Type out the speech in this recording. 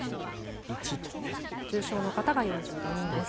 重症の方が４５人です。